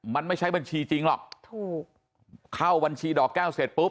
มันไม่ใช่บัญชีจริงหรอกถูกเข้าบัญชีดอกแก้วเสร็จปุ๊บ